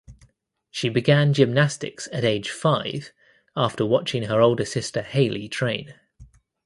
She began gymnastics at age five after watching her older sister Hayley train.